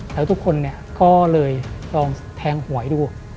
แล้วทุกคนก็เลยลองแทงหวยดู